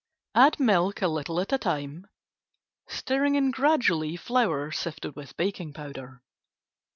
Add milk little at a time, stirring in gradually flour, sifted with baking powder.